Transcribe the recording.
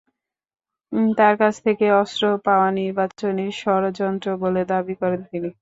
তাঁর কাছ থেকে অস্ত্র পাওয়া নির্বাচনী ষড়যন্ত্র বলে দাবি করেন তিনি।